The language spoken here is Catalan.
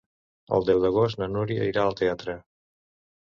El deu d'agost na Núria irà al teatre.